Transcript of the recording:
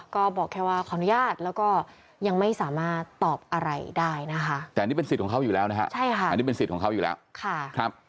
ก็บอกแค่ว่าขออนุญาตแล้วก็ยังไม่สามารถตอบอะไรได้แต่อันนี้เป็นสิทธิ์ของเค้าอยู่แล้วค่ะ